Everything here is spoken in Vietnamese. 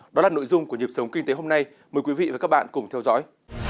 đó là nội dung của nhịp sống kinh tế hôm nay mời quý vị và các bạn cùng theo dõi